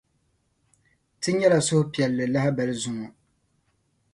Ti nyɛla suhupiεlli lahibali zuŋɔ.